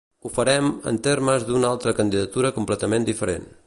Ho farem en termes d’una altra candidatura completament diferent.